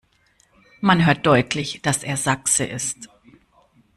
Man hört deutlich, dass er Sachse ist.